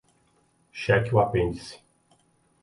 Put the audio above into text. Cheque o apêndice